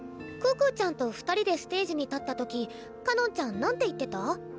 可可ちゃんと２人でステージに立った時かのんちゃん何て言ってた？